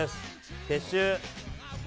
撤収！